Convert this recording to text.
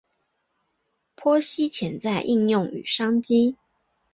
剖析潜在应用与商机